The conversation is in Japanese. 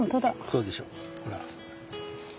そうでしょうほら。